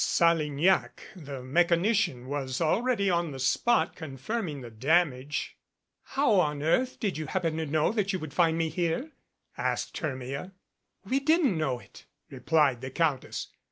Salignac, the mechanician, was already on the spot confirming the damage. "How on earth did you happen to know that you could find me here?" asked Hermia. "We didn't know it," replied the countess.